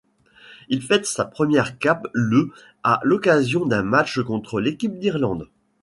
Il fête sa première cape le à l'occasion d’un match contre l'Équipe d'Irlande.